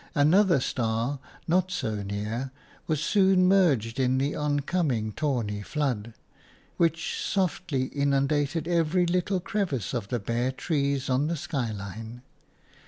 Another star, not so near, was soon merged in the oncoming tawny flood, which softly inundated every little crevice of the bare trees on the skyline.